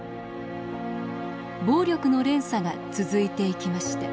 暴力の連鎖が続いていきました。